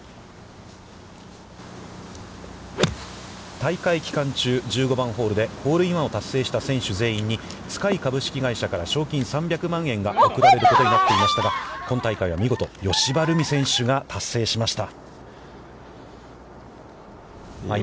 大会期間中１５番ホールでホールインワンを達成した選手全員に、Ｓｋｙ株式会社から賞金３００万円が贈られることになっていましたが葭葉ルミ選手が達成しました。